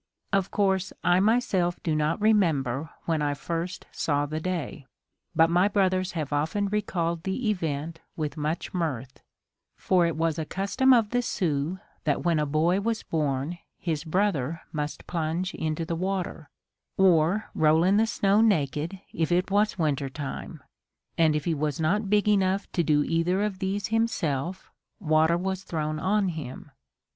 Of course I myself do not remember when I first saw the day, but my brothers have often recalled the event with much mirth; for it was a custom of the Sioux that when a boy was born his brother must plunge into the water, or roll in the snow naked if it was winter time; and if he was not big enough to do either of these himself, water was thrown on him.